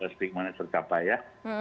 stigma nya tercapai ya